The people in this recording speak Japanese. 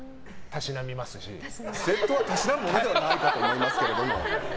スウェットはたしなむものではないかと思いますけれども。